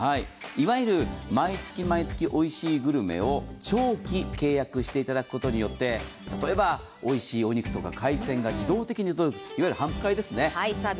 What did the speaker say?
いわゆる毎月毎月おいしいグルメを長期契約していただくことによって、例えばおいしいお肉とか海鮮が自動的に届く、いわゆる頒布会ですね。